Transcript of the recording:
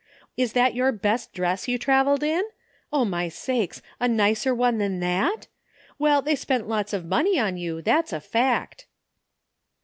"Is that your best dress you traveled in? O, my sakes ! a nicer one than that ? Well, they spent lots of money on you, that's a fact."